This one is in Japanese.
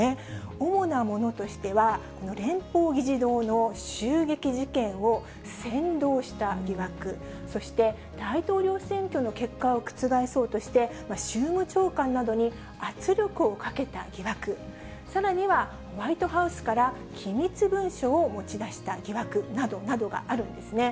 主なものとしては、この連邦議事堂の襲撃事件を扇動した疑惑、そして大統領選挙の結果を覆そうとして、州務長官などに圧力をかけた疑惑、さらにはホワイトハウスから機密文書を持ち出した疑惑などなどがあるんですね。